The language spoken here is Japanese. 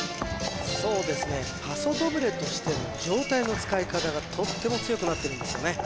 そうですねパソドブレとしての上体の使い方がとっても強くなってるんですよね